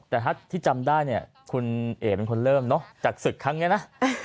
แต่ถ้าที่จำได้เนี่ยคุณเอ๋เป็นคนเริ่มเนอะจากศึกครั้งนี้นะ